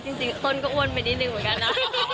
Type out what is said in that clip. จริงต้นก็อ้วนไปนิดนึงเหมือนกันนะ